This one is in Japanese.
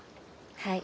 はい。